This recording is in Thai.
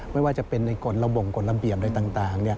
ไม่ว่าจะเป็นในกฎระบงกฎระเบียบอะไรต่าง